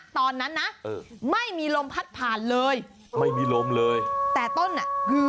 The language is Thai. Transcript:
ตอนนั้นนะเออไม่มีลมพัดผ่านเลยไม่มีลมเลยแต่ต้นอ่ะคือ